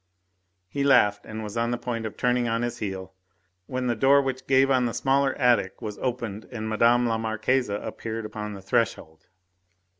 He laughed, and was on the point of turning on his heel when the door which gave on the smaller attic was opened and Mme. la Marquise appeared upon the threshold.